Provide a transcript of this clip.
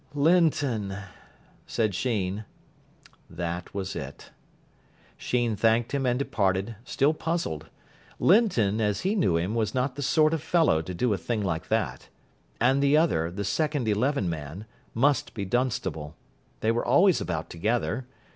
"Linton," said Sheen. That was it. Sheen thanked him and departed, still puzzled. Linton, as he knew him, was not the sort of fellow to do a thing like that. And the other, the second eleven man, must be Dunstable. They were always about together.